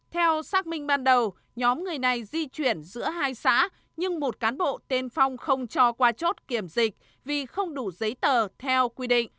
theo xác minh ban đầu nhóm người này di chuyển giữa hai xã nhưng một cán bộ tiên phong không cho qua chốt kiểm dịch vì không đủ giấy tờ theo quy định